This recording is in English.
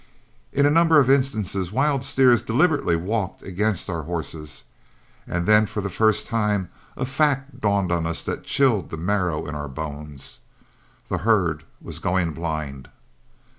In a number of instances wild steers deliberately walked against our horses, and then for the first time a fact dawned on us that chilled the marrow in our bones, the herd was going blind.